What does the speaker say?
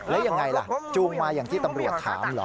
แล้วยังไงล่ะจูงมาอย่างที่ตำรวจถามเหรอ